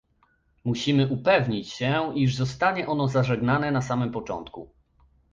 Musimy upewnić się, iż zostanie ono zażegnane na samym początku